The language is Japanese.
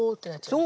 そう。